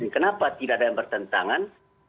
kenapa tidak ada yang bertentangan